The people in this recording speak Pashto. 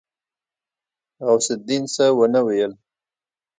غوث الدين څه ونه ويل.